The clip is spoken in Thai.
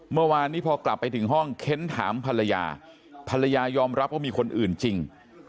เมื่อวานนี้พอกลับไปถึงห้องเค้นถามภรรยาภรรยายอมรับว่ามีคนอื่นจริง